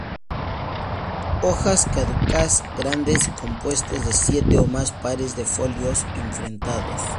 Hojas caducas, grandes, compuestas de siete o más pares de folíolos enfrentados.